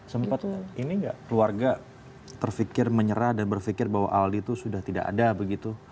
sempat ini nggak keluarga terfikir menyerah dan berpikir bahwa aldi itu sudah tidak ada begitu